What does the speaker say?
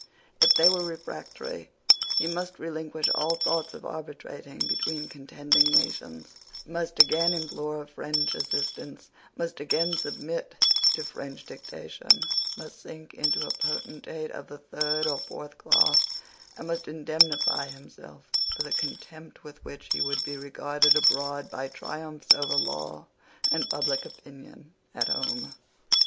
If they were refractory, he must relinquish all thought of arbitrating between contending nations, must again implore French assistance, must again submit to French dictation, must sink into a potentate of the third or fourth class, and must indemnify himself for the contempt with which he would be regarded abroad by triumphs over law and public opinion at home.